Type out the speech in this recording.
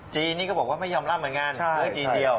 นี่ก็บอกว่าไม่ยอมรับเหมือนกันเหลือจีนเดียว